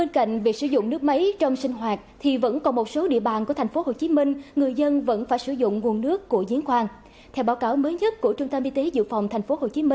các bạn hãy đăng ký kênh để ủng hộ kênh của chúng mình nhé